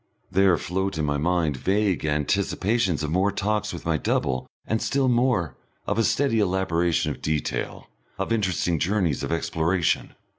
There float in my mind vague anticipations of more talks with my double and still more, of a steady elaboration of detail, of interesting journeys of exploration.